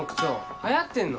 流行ってんの？